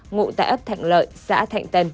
ngụ tại ấp thạnh lợi xã thạnh tân